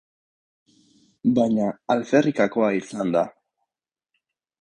Baina alferrikakoa izan da.